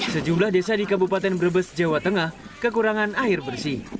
sejumlah desa di kabupaten brebes jawa tengah kekurangan air bersih